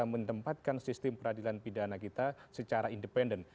kita mendempatkan sistem peradilan pidana kita secara independen